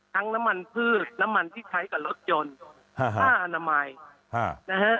น้ำมันพืชน้ำมันที่ใช้กับรถยนต์ผ้าอนามัยนะฮะ